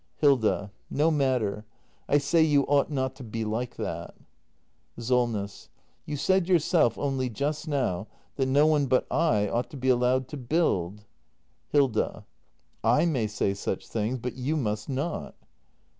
Hilda. No matter . I say you ought not to be like that. SOLNESS. You said yourself, only just now, that no one but / ought to be allowed to build. Hilda. / may say such things — but you must not.